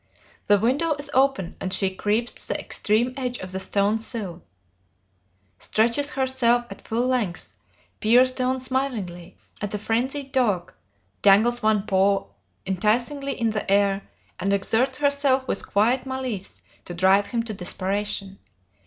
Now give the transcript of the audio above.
The window is open and she creeps to the extreme edge of the stone sill, stretches herself at full length, peers down smilingly at the frenzied dog, dangles one paw enticingly in the air, and exerts herself with quiet malice to drive him to desperation.